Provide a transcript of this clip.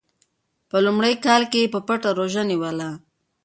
په لومړي کال کې یې په پټه روژه نیوله.